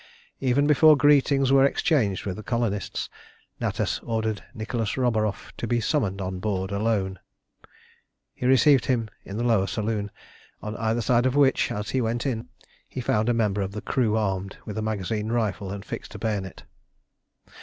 Even before greetings were exchanged with the colonists Natas ordered Nicholas Roburoff to be summoned on board alone. He received him in the lower saloon, on either side of which, as he went in, he found a member of the crew armed with a magazine rifle and fixed bayonet.